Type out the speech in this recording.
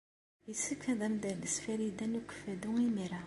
Yessefk ad am-d-tales Farida n Ukeffadu imir-a.